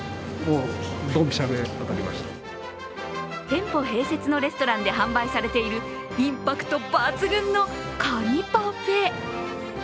店舗併設のレストランで販売されているインパクト抜群のカニパフェ。